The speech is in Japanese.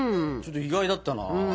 ちょっと意外だったな。